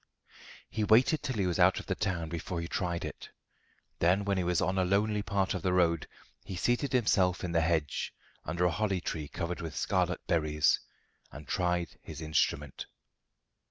He waited till he was out of the town before he tried it. Then, when he was on a lonely part of the road, he seated himself in the hedge, under a holly tree covered with scarlet berries, and tried his instrument.